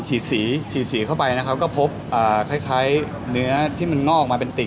สีฉีดสีเข้าไปนะครับก็พบคล้ายเนื้อที่มันงอกออกมาเป็นติ่ง